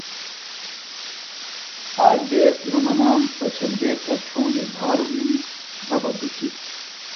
آک دیس دُھرمنام پچھمبے تہ چھوݨی بھاروۡ گھنیۡ مہ بہ گُچیۡ